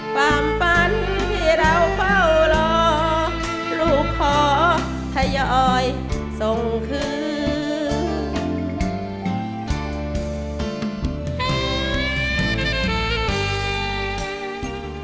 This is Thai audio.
ความฝันที่เราเฝ้ารอลูกขอทยอยส่งคืน